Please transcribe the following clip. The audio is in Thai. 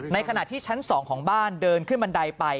ขณะที่ชั้น๒ของบ้านเดินขึ้นบันไดไป